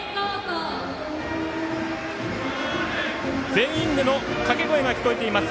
全員での掛け声が聞こえています。